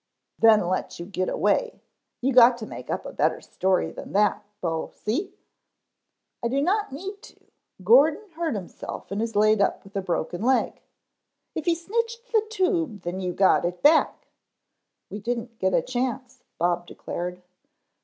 "Then let you get away. You got to make up a better story than that, bo, see!" "I do not need to. Gordon hurt himself and is laid up with a broken leg " "If he snitched the tube, then you got it back " "We didn't get a chance," Bob declared.